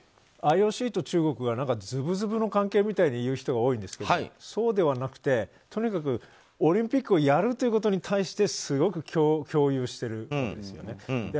ＩＯＣと中国はずぶずぶの関係みたいに言う人が多いんですがそうではなくてとにかく、オリンピックをやるということに対してすごく共有してるんですよね。